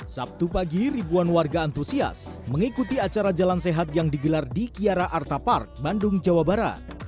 sabtu pagi ribuan warga antusias mengikuti acara jalan sehat yang digelar di kiara artapark bandung jawa barat